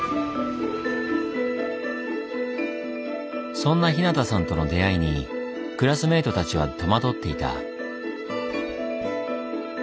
そんな日向さんとの出会いにクラスメートたちは戸惑っていた。